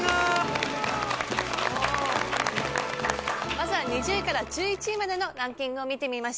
まずは２０位から１１位までのランキングを見てみましょう。